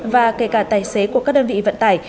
và kể cả tài xế của các đơn vị vận tải